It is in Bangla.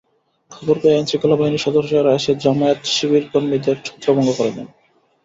খবর পেয়ে আইনশৃঙ্খলা বাহিনীর সদস্যরা এসে জামায়াত-শিবির কর্মীদের ছত্রভঙ্গ করে দেন।